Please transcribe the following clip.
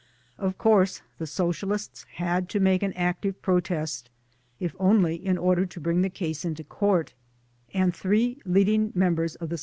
Of course the Socialists had to make an active protest, if only in order to bring the case into court ; and three leading members of the S.D.